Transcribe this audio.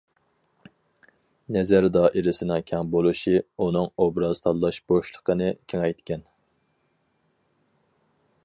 نەزەر دائىرىسىنىڭ كەڭ بولۇشى ئۇنىڭ ئوبراز تاللاش بوشلۇقىنى كېڭەيتكەن.